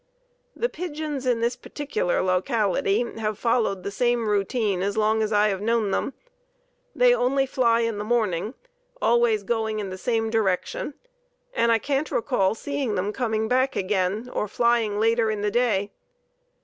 "The pigeons in this particular locality have followed the same routine as long as I have known them. They only fly in the morning, always going in the same direction, and I can't recall seeing them coming back again, or flying later in the day.